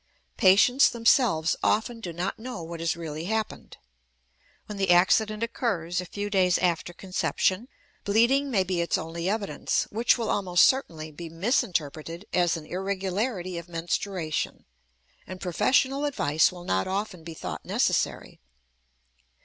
Patients themselves often do not know what has really happened. When the accident occurs a few days after conception, bleeding may be its only evidence, which will almost certainly be misinterpreted as an irregularity of menstruation; and professional advice will not often be thought necessary.